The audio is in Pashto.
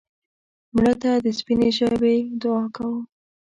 مړه ته د سپینې ژبې دعا کوو